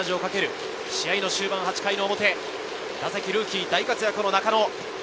試合終盤８回表、ルーキー、大活躍、中野。